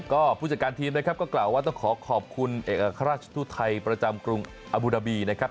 ก็ผู้จัดการทีมนะครับก็กล่าวว่าต้องขอขอบคุณเอกราชทูตไทยประจำกรุงอบูดาบีนะครับ